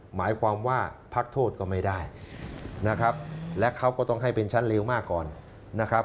หมายความว่าพักโทษก็ไม่ได้นะครับและเขาก็ต้องให้เป็นชั้นเร็วมากก่อนนะครับ